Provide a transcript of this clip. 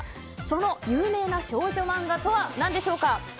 その有名な少女漫画とは何でしょうか？